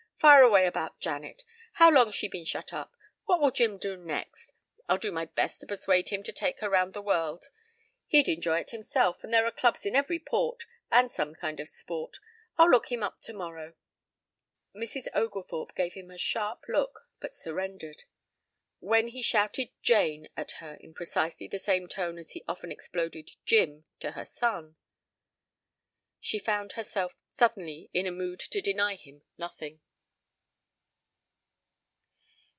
Fire away about Janet. How long's she been shut up? What will Jim do next? I'll do my best to persuade him to take her round the world. He'd enjoy it himself for there are clubs in every port and some kind of sport. I'll look him up tomorrow." Mrs. Oglethorpe gave him a sharp look but surrendered. When he shouted "Jane" at her in precisely the same tone as he often exploded "Jim" to her son, she found herself suddenly in a mood to deny him nothing.